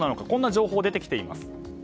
こんな情報が出てきています。